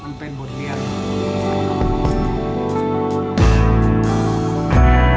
มันเป็นบทเรียน